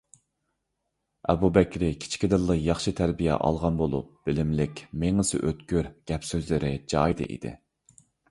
ئەبۇ بەكرى كىچىكىدىنلا ياخشى تەربىيە ئالغان بولۇپ، بىلىملىك، مېڭىسى ئۆتكۈر، گەپ-سۆزلىرى جايىدا ئىدى.